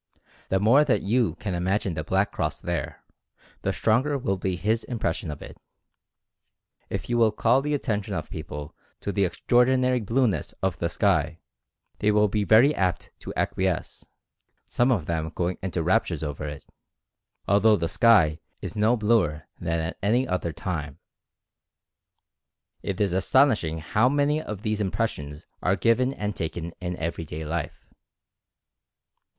The more that you can imagine the black cross there, the stronger will be his impression of it. If you will call the attention of people to the ex traordinary blueness of the sky, they will be very apt to acquiesce, some of them going into raptures over it, although the sky is no bluer than at any other time. II 16 Mental Fascination It is astonishing how many of these impressions are given and taken in every day life.